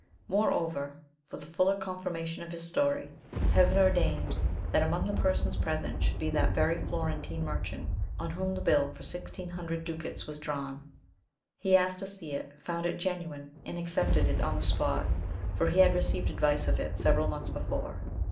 Moreover, for the fuller confirmation of his story, Heaven ordained that among the persons present should be that very Florentine merchant on whom the bill for sixteen hundred ducats was drawn. He asked to see it, found it genuine, and accepted it on the spot, for he had received advice of it several months before.